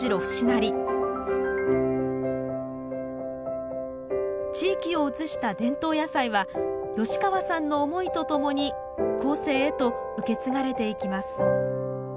成地域を映した伝統野菜は吉川さんの思いとともに後世へと受け継がれていきます